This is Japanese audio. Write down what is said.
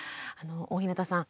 大日向さん